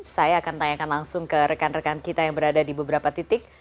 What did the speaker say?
saya akan tanyakan langsung ke rekan rekan kita yang berada di beberapa titik